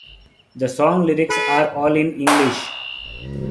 The song lyrics are all in English.